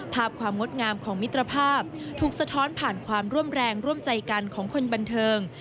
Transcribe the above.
ความงดงามของมิตรภาพถูกสะท้อนผ่านความร่วมแรงร่วมใจกันของคนบันเทิง